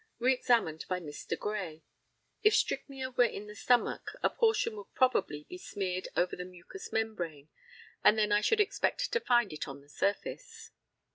Re examined by Mr. GRAY: If strychnia were in the stomach a portion would probably be smeared over the mucous membrane, and then I should expect to find it on the surface.